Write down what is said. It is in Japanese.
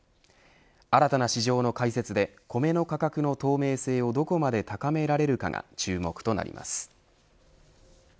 新たな市場の開設で、コメの価格の透明性をどこまで高められるかが注目となります。